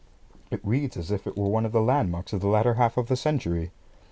It reads as if it were one of the landmarks of the latter half of the century.